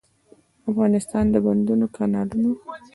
افغانستان کې د بندونو، کانالونو.